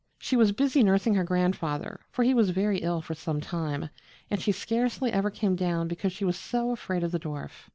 She was busy nursing her grandfather, for he was very ill for some time, and she scarcely ever came down because she was so afraid of the dwarf.